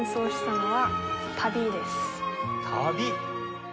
「旅」？